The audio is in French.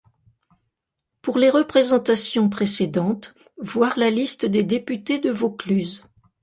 Pour les représentations précédentes, voir la Liste des députés de Vaucluse.